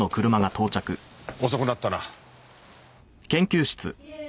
遅くなったな。